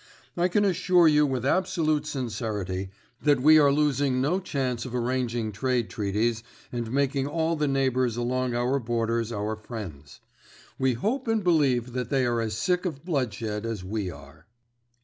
I can assure you with absolute sincerity that we are losing no chance of arranging trade treaties and making all the neighbours along our borders our friends. We hope and believe that they are as sick of bloodshed as we are.